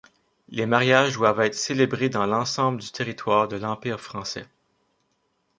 Les mariages doivent être célébrés dans l'ensemble du territoire de l'Empire français.